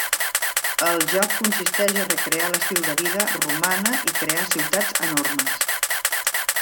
El joc consisteix a recrear l'estil de vida romana i crear ciutats enormes.